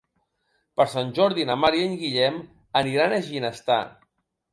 Per Sant Jordi na Mar i en Guillem aniran a Ginestar.